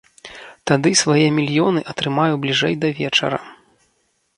Тады свае мільёны атрымаю бліжэй да вечара.